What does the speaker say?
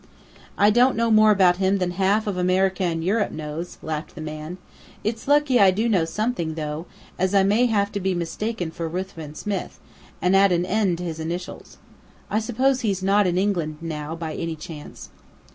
"I don't know more about him than half America and Europe knows," laughed the man. "It's lucky I do know something, though, as I may have to be mistaken for Ruthven Smith, and add an 'N' to his initials. I suppose he's not in England now by any chance?"